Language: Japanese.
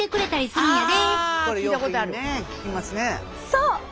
そう。